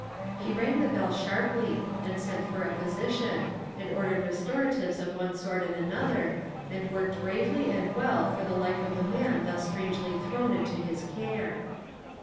He rang the bell sharply, and sent for a physician, and ordered restoratives of one sort and another, and worked bravely and well for the life of the man thus strangely thrown into his care.